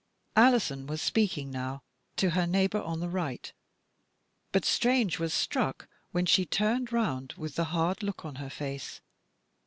Alison was speaking now to her neighbour on the right, but Strange was struck, when she turned round, with the hard look on her face.